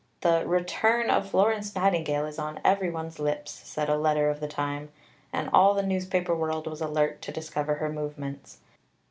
The "return of Florence Nightingale is on every one's lips," said a letter of the time, and all the newspaper world was alert to discover her movements.